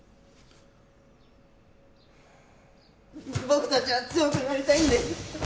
僕たちは強くなりたいんです。